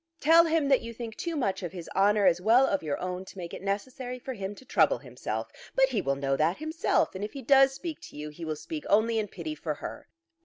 Tell him that you think too much of his honour as well of your own to make it necessary for him to trouble himself. But he will know that himself, and if he does speak to you, he will speak only in pity for her."